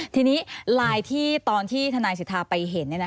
ทีนี้ไลน์ที่ตอนที่ทนายสิทธาไปเห็น